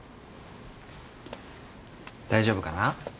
大丈夫かな？